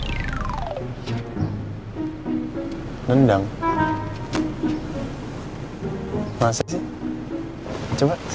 kayaknya aku ngerasain tadi dia nendang deh mas